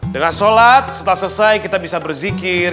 dengan sholat setelah selesai kita bisa berzikir